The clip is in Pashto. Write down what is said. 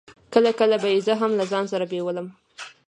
کله کله به يې زه هم له ځان سره بېولم.